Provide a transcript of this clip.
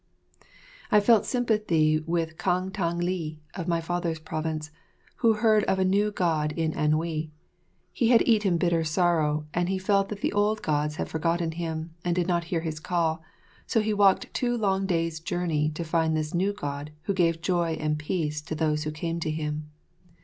I felt sympathy with Kang Tang li, of my father's province, who heard of a new God in Anhui. He had eaten bitter sorrow and he felt that the old Gods had forgotten him and did not hear his call, so he walked two long days' journey to find this new God who gave joy and peace to those who came to him.